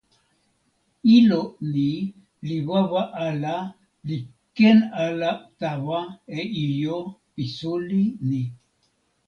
ilo ni li wawa ala li ken ala tawa e ijo pi suli ni.